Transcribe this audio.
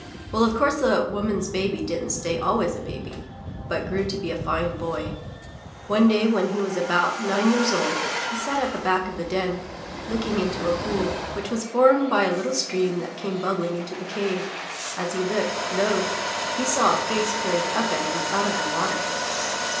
Well, of course the woman's baby didn't stay always a baby, but grew to be a fine boy. One day when he was about nine years old, he sat at the back of the den, looking into a pool, which was formed by a little stream that came bubbling into the cave. As he looked, lo! he saw a face peering up at him out of the water.